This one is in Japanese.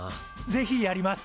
ぜひやります。